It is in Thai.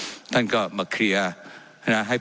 ว่าการกระทรวงบาทไทยนะครับ